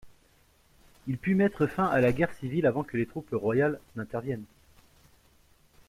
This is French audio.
Il put mettre fin à la guerre civile avant que les troupes royales n'interviennent.